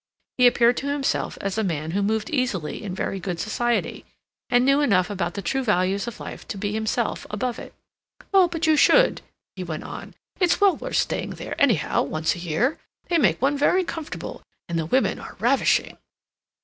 He appeared to himself as a man who moved easily in very good society, and knew enough about the true values of life to be himself above it. "Oh, but you should," he went on. "It's well worth staying there, anyhow, once a year. They make one very comfortable, and the women are ravishing."